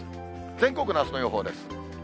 全国のあすの予報です。